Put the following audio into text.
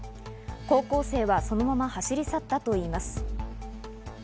高校生はそのまま走り去ったといいます。